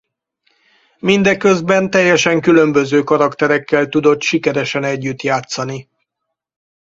Mindeközben teljesen különböző karakterekkel tudott sikeresen együtt játszani.